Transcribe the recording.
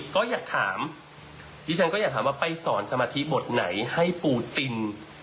ก็อยากถามดิฉันก็อยากถามว่าไปสอนสมาธิบทไหนให้ปูติน